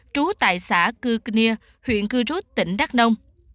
trú tại xã cư nia huyện cư rút tỉnh đắk nông